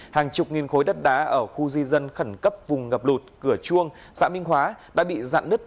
hàng chục nghìn khối đất đá ở khu di dân khẩn cấp vùng ngập lụt cửa chuông xã minh hóa đã bị dạn nứt